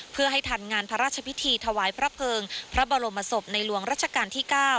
เพื่อให้ทันงานพระราชพิธีถวายพระเภิงพระบรมศพในหลวงรัชกาลที่๙